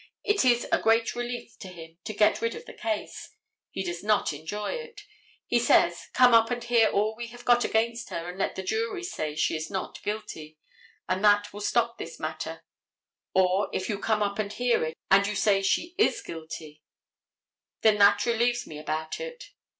It is a great relief to him to get rid of the case. He does not enjoy it. He says, come up and hear all we have got against her and let the jury say she is not guilty and that will stop this matter, or if you come up and hear it and you say she is guilty, then that relieves me about it.